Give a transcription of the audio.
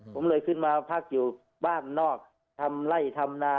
ผมเลยขึ้นมาพักอยู่บ้านนอกทำไล่ทำนา